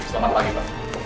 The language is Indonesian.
selamat pagi pak